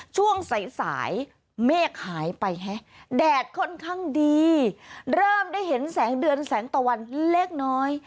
ช่วงสายสายเมฆหายไปฮะแดดค่อนข้างดีเริ่มได้เห็นแสงเดือนแสงตะวันเล็กน้อย